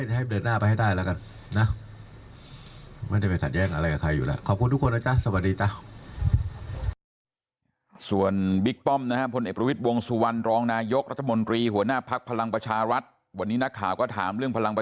ขย์ให้เดินหน้าไปให้ได้แล้วกันนะไม่ไปถัดแยก